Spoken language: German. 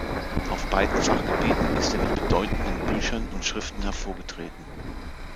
Auf beiden Fachgebieten ist er mit bedeutenden Büchern und Schriften hervorgetreten.